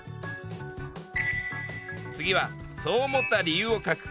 次はそう思った理由を書く。